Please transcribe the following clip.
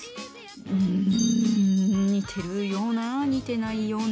うん似てるような似てないような。